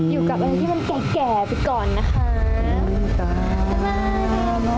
อยู่กับอะไรที่มันแก่ไปก่อนนะคะ